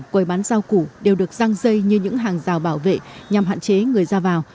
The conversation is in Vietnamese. quầy bán rau củ đều được răng dây như những hàng rào bảo vệ nhằm hạn chế người ra vào